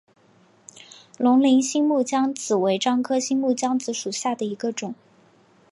龙陵新木姜子为樟科新木姜子属下的一个种。